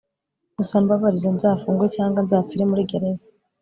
gusa mbabarira nzafungwe cyangwa nzapfire muri gereza